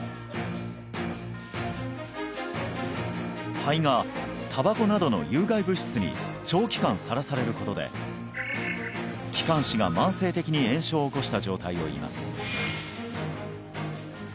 肺がタバコなどの有害物質に長期間さらされることで気管支が慢性的に炎症を起こした状態をいいます